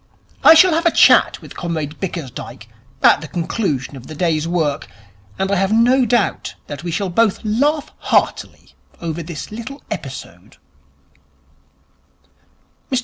I shall have a chat with Comrade Bickersdyke at the conclusion of the day's work, and I have no doubt that we shall both laugh heartily over this little episode.'